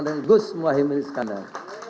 dengan gus muhyiddin iskandar